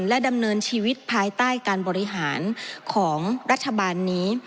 และดำเนินชีวิตภายใต้การบริหารของรัฐบาลนี้